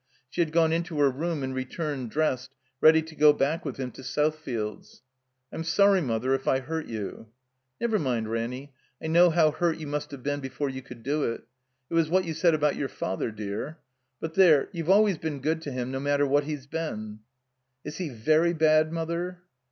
(She had gone into her room and returned dressed, ready to go back with him to Southfields.) "I'm sorry, Mother, if I hurt you." "Never mind, Ranny, I know how hurt you must have been before you could do it. It was what you said about your Father, dear. But there — ^you've always been good to him no matter what he's been." Is he very bad. Mother?"